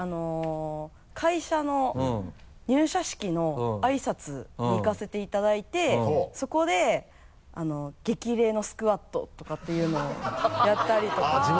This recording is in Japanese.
会社の入社式のあいさつに行かせていただいてそこで激励のスクワットとかっていうのをやったりとか。